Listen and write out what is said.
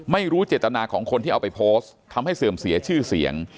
ไม่รู้เจตนาของคนที่เอาไปโพสต์ทำให้เสื่อมเสียชื่อเสียง